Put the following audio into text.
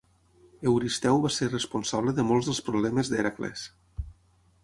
Euristeu va ser responsable de molts dels problemes d'Hèracles.